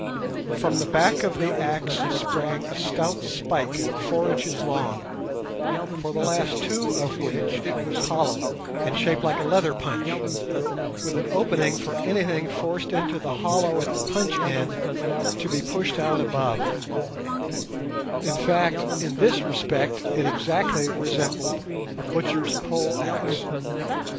From the back of the axe sprang a stout spike four inches long, for the last two of which it was hollow, and shaped like a leather punch, with an opening for anything forced into the hollow at the punch end to be pushed out above—in fact, in this respect it exactly resembled a butcher's pole axe.